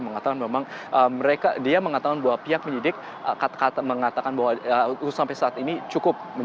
mengatakan memang dia mengatakan bahwa pihak penyidik mengatakan bahwa sampai saat ini cukup